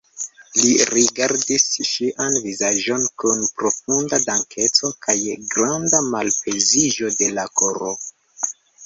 Li rigardis ŝian vizaĝon kun profunda dankeco kaj granda malpeziĝo de la koro.